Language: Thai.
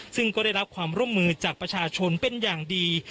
ซึ่งก็ได้รับความร่วมมือจากประชาชนเป็นอย่างดี